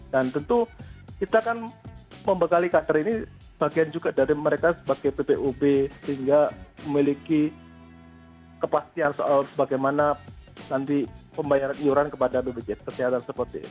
dan tentu kita akan membekali kader ini bagian juga dari mereka sebagai bpub sehingga memiliki kepastian soal bagaimana nanti membayar iuran kepada bpub